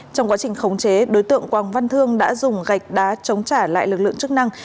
trong quá trình khống chế đối tượng quang văn thương đã dùng gạch đá chống trả lại lực lượng chức năng